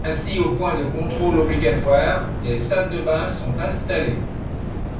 Ainsi aux points de contrôle obligatoires, des salles de bains sont installées.